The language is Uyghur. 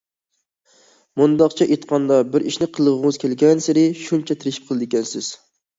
مۇنداقچە ئېيتقاندا، بىر ئىشنى قىلغۇڭىز كەلگەنسېرى، شۇنچە تىرىشىپ قىلىدىكەنسىز.